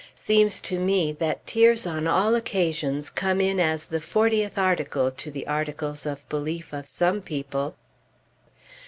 Seems to me that tears on all occasions come in as the fortieth article, to the articles of belief of some people.